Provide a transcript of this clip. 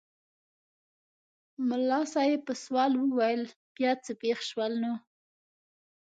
ملا صاحب په سوال وویل بیا څه پېښ شول نو؟